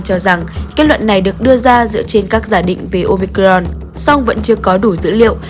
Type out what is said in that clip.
cho rằng kết luận này được đưa ra dựa trên các giả định về omicron song vẫn chưa có đủ dữ liệu